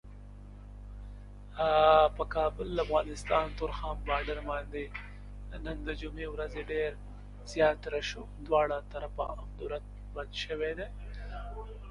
Behind the moon, beyond the rain..., at which point she begins singing.